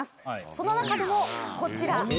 その中でもこちら。